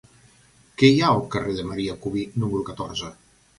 Què hi ha al carrer de Marià Cubí número catorze?